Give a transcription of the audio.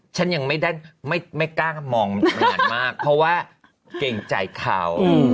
ฉันยังไม่ได้ไม่กล้ามองนานมากเพราะว่าเกรงใจเขา